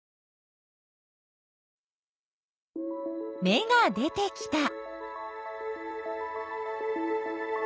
芽が出てきた。